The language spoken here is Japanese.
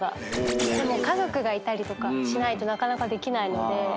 でも家族がいたりとかしないとなかなかできないので。